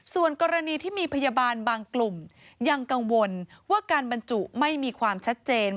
ส่วนกรณีที่มีพยาบาลบางกลุ่มยังกังวลว่าการบรรจุไม่มีความชัดเจน